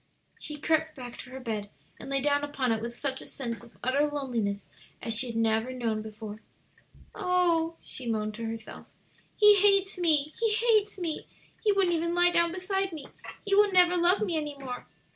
She crept back to her bed, and lay down upon it with such a sense of utter loneliness as she had never known before. "Oh," she moaned to herself, "he hates me, he hates me! he wouldn't even lie down beside me! he will never love me any more."